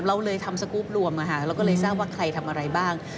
เราเลยทำสกรูปรวมเราก็เลยทราบว่าใครทำอะไรบ้าง